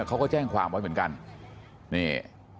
เขาก็แจ้งความไว้เหมือนกันนี่